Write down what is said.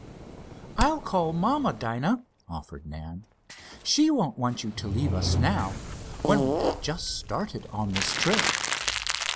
"I'll call mamma, Dinah," offered Nan. "She won't want you to leave us now, when we have just started on this trip."